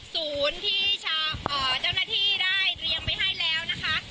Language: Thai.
ศูนย์ที่เจ้าหน้าที่ได้เตรียมไปให้แล้วนะคะ